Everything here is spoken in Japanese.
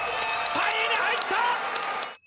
３位に入った！